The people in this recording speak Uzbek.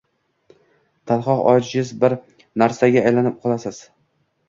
Tanho, ojiz bir narsaga aylanib qolasiz.